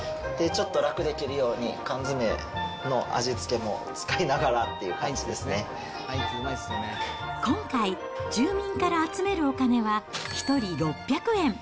ちょっと楽できるように、缶詰の味付けも使いながらっていう、今回、住民から集めるお金は、１人６００円。